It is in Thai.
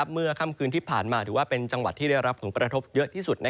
เมื่อค่ำคืนที่ผ่านมาถือว่าเป็นจังหวัดที่ได้รับผลกระทบเยอะที่สุด